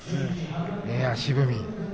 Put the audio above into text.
足踏み。